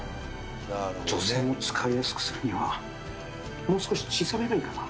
女性も使いやすくするにはもう少し小さめがいいかな。